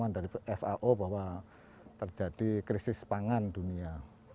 dari fao bahwa terjadi krisis pangan dunia